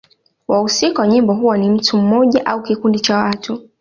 Wahusika wa nyimbo huwa ni mtu mmoja au kikundi cha watu.